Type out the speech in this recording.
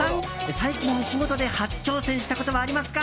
最近、仕事で初挑戦したことはありますか？